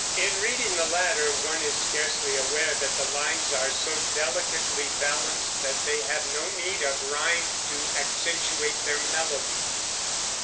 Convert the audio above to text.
In reading the latter, one is scarcely aware that the lines are so delicately balanced that they have no need of rime to accentuate their melody.